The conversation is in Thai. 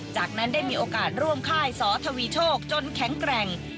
จากนั้นได้มีโอกาสร่วมค่ายสอทวีโชคจนแข็งแกร่ง